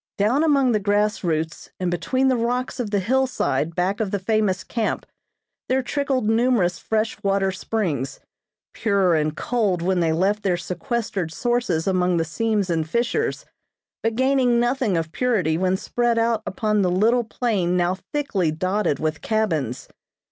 Down among the grass roots and between the rocks of the hillside back of the famous camp, there trickled numerous fresh water springs, pure and cold when they left their sequestered sources among the seams and fissures, but gaining nothing of purity when spread out upon the little plain now thickly dotted with cabins.